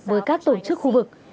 với các tổ chức khu vực